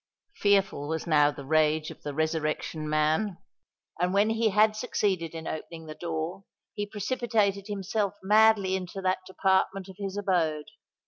Fearful was now the rage of the Resurrection Man; and when he had succeeded in opening the door, he precipitated himself madly into that department of his abode.